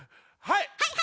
はい！